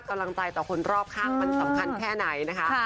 กำลังใจต่อคนรอบข้างมันสำคัญแค่ไหนนะคะ